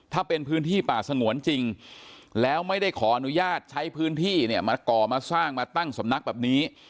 ถ้าเป็นพื้นที่ป่าสงวนจริงแล้วไม่ได้ขออนุญาตใช้พื้นที่เนี่ยมาก่อมาสร้างมาตั้งสำนักแบบนี้